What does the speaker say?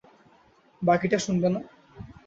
বাকিটা শুনবে না?